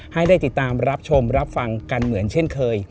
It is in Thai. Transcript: ให้ได้ติดตามรับชมรับฟังกันเหมือนเช่นเคย